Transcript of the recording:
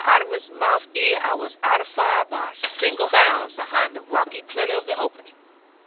out of his mouth ere I was out of fire, by a single bound behind the rocky pillar of the opening.